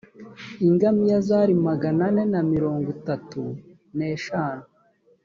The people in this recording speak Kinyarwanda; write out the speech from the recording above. ingamiya zari magana ane na mirongo itatu n eshanu